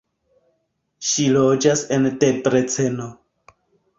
Ŝi loĝas en Debreceno.